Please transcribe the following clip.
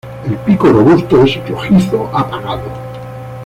El pico, robusto, es rojizo apagado.